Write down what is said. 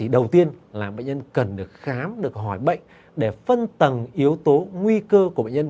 đầu tiên là bệnh nhân cần được khám được hỏi bệnh để phân tầng yếu tố nguy cơ của bệnh nhân